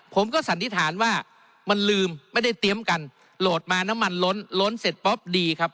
สันนิษฐานว่ามันลืมไม่ได้เตรียมกันโหลดมาน้ำมันล้นล้นเสร็จป๊อปดีครับ